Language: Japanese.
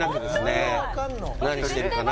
何してるかな？